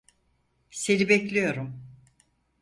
Seni bekliyorum.